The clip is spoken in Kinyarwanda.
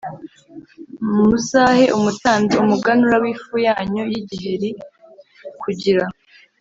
Muzahe umutambyi umuganura w ifu yanyu y igiheri kugira